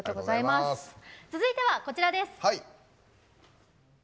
続いては、こちらです。